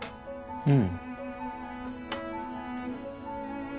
うん。